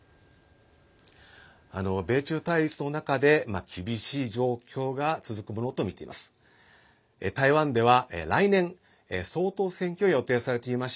米中対立の中で厳しい状況が続くものとみています。